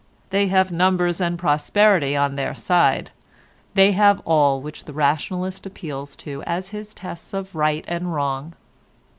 They have numbers and prosperity on their side. They have all which the rationalist appeals to as his tests of right and wrong.